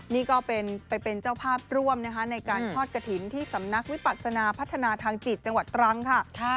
นี่ก็ไปเป็นเจ้าภาพร่วมนะคะในการทอดกระถิ่นที่สำนักวิปัศนาพัฒนาทางจิตจังหวัดตรังค่ะ